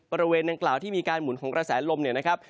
บริเวณดังกล่าวที่มีการหมุนของกระแสลมเนี่ยนะครับ